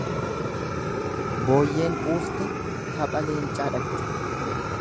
Booyyeen quufte tapha leencaa dhaqxi.